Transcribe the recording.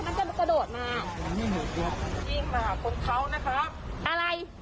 มันจะมากระโดดมามันจะมาหาคนเขานะครับอะไร